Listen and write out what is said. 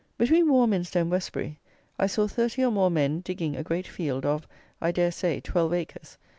Between Warminster and Westbury I saw thirty or more men digging a great field of I dare say twelve acres.